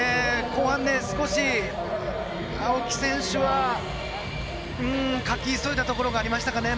後半、少し青木選手はかき急いだところがありましたかね。